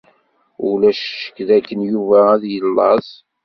Ulac ccek dakken Yuba ad yellaẓ.